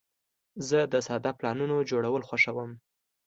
زه د ساده پلانونو جوړول خوښوم.